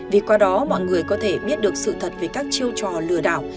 vì qua đó mọi người có thể biết được sự thật về các chiêu trò lừa đảo